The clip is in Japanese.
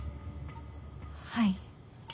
はい。